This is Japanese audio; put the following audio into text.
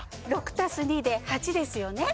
６足す２で８ですよね？